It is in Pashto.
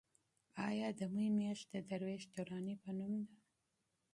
ایا د مې میاشت د درویش دراني په نوم ده؟